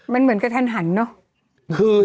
มันเหมือนกระทันหันเนอะ